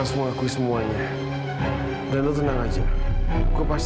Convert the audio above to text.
kami gak bisa secak dengan semua ini